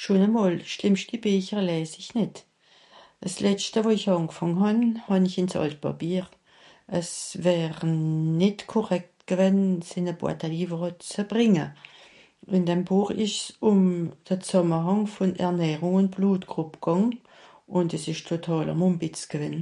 schòn à mòl d'schlìmmsti becher läss isch nìt s'letschte wo'i ang'fànge hàn hàn'isch ìns àltspàpier es wären nìt correct gewänn s ìn à boite à livre zu brìnge ìn dem buch esch ùm de zàmmehàng vòn ernährung ùn bloodcàp gàng ùn des esch de .... gewenn